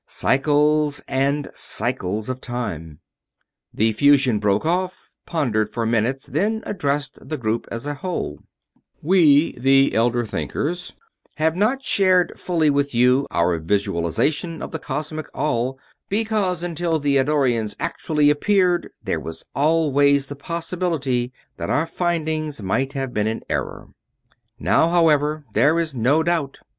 cycles and cycles of time." The fusion broke off, pondered for minutes, then addressed the group as a whole: "We, the Elder Thinkers, have not shared fully with you our visualization of the Cosmic All, because until the Eddorians actually appeared there was always the possibility that our findings might have been in error. Now, however, there is no doubt.